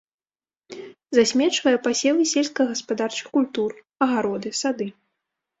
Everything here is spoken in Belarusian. Засмечвае пасевы сельскагаспадарчых культур, агароды, сады.